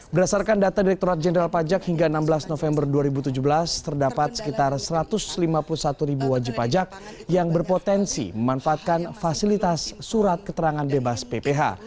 berdasarkan data direkturat jenderal pajak hingga enam belas november dua ribu tujuh belas terdapat sekitar satu ratus lima puluh satu ribu wajib pajak yang berpotensi memanfaatkan fasilitas surat keterangan bebas pph